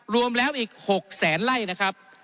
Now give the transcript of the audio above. รวมแล้วอีก๖แสนไล่นะครับ